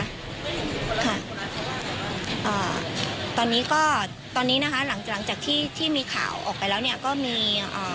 ค่ะอ่าตอนนี้ก็ตอนนี้นะคะหลังจากที่ที่มีข่าวออกไปแล้วเนี่ยก็มีอ่า